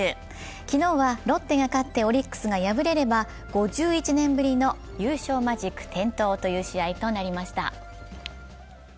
昨日はロッテが勝ってオリンピックが敗れれば５１年ぶりの優勝マジック点灯という試合となりました。